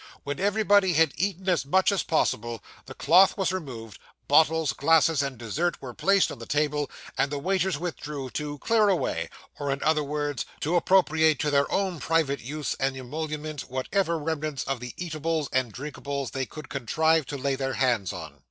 When everybody had eaten as much as possible, the cloth was removed, bottles, glasses, and dessert were placed on the table; and the waiters withdrew to 'clear away,' or in other words, to appropriate to their own private use and emolument whatever remnants of the eatables and drinkables they could contrive to lay their hands on.